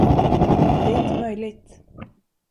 Det är inte möjligt.